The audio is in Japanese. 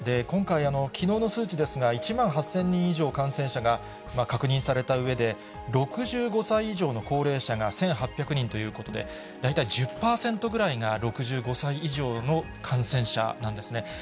今回、きのうの数値ですが、１万８０００人以上感染者が確認されたうえで、６５歳以上の高齢者が１８００人ということで、大体１０％ぐらいが６５歳以上の感染者なんですね。